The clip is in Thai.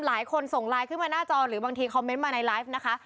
ส่งไลน์ขึ้นมาหน้าจอหรือบางทีคอมเมนต์มาในไลฟ์นะคะ